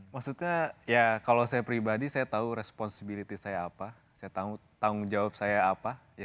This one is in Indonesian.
maksudnya kalau saya pribadi saya tahu tanggung jawab saya apa